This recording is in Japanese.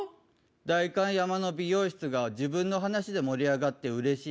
代官山の美容室が自分の話で盛り上がってうれしい。